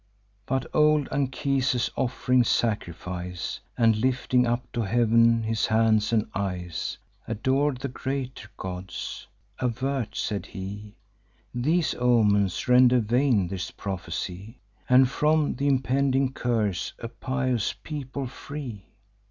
But old Anchises, off'ring sacrifice, And lifting up to heav'n his hands and eyes, Ador'd the greater gods: 'Avert,' said he, 'These omens; render vain this prophecy, And from th' impending curse a pious people free!